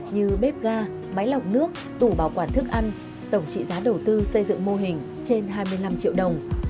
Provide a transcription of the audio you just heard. như bếp ga máy lọc nước tủ bảo quản thức ăn tổng trị giá đầu tư xây dựng mô hình trên hai mươi năm triệu đồng